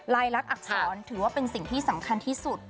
ลักษรถือว่าเป็นสิ่งที่สำคัญที่สุด